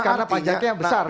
nah ini nilainya yang besar